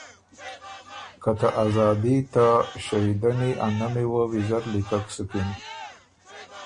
که ته آزادي ته شهیدنی ا نمی وه ویزر لیکک سُکِن۔